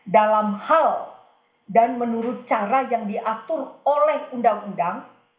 dalam hal dan menurut cara yang diatur oleh undang undang